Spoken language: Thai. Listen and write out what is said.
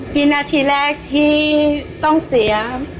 พี่หน้าที่แรกที่ต้องเสีย